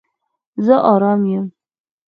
زه آرام یم